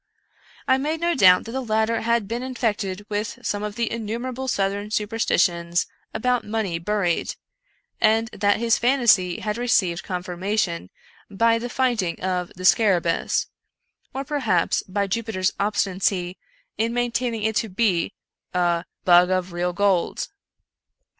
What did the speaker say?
I made no doubt that the latter had been infected with some of the innumerable Southern superstitions about money buried, and that his fantasy had received confirmation by the find ing of the scarabcu'js, or, perhaps, by Jupiter's obstinacy in maintaining it to be " a bug of real gold."